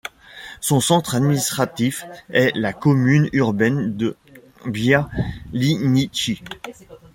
Son centre administratif est la commune urbaine de Bialynitchy.